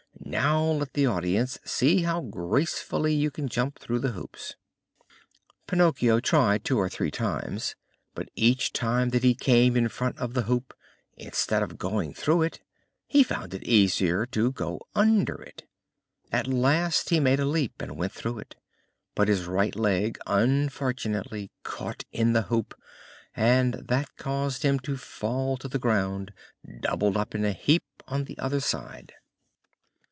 Now let the audience see how gracefully you can jump through the hoops." Pinocchio tried two or three times, but each time that he came in front of the hoop, instead of going through it, he found it easier to go under it. At last he made a leap and went through it, but his right leg unfortunately caught in the hoop, and that caused him to fall to the ground doubled up in a heap on the other side.